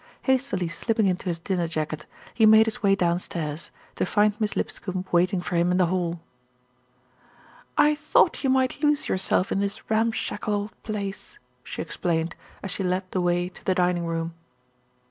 Hastily slipping into his dinner jacket, he made his way downstairs, to find Miss Lipscombe waiting for him in the hall. "I thought you might lose yourself in this ram shackle old place," she explained, as she led the way 132 THE RETURN OF ALFRED to the dining room.